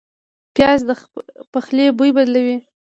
پیاز د پخلي بوی بدلوي